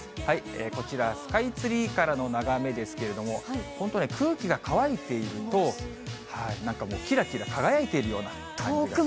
こちらスカイツリーからの眺めですけれども、本当ね、空気が乾いていると、なんかもうきらきら輝いているような感じが。